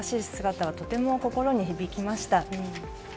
姿はとても心に響きました。